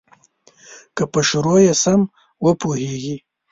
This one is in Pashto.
که په شروع یې سم وپوهیږې.